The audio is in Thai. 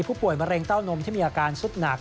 มะเร็งเต้านมที่มีอาการสุดหนัก